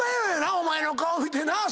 お前の顔見てな。